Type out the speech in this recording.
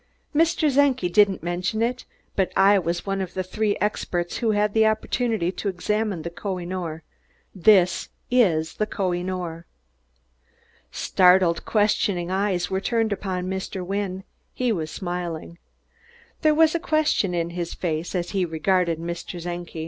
Mr. Czenki didn't mention it, but I was one of the three experts who had opportunity to examine the Koh i noor. This is the Koh i noor!" Startled, questioning eyes were turned upon Mr. Wynne; he was smiling. There was a question in his face as he regarded Mr. Czenki.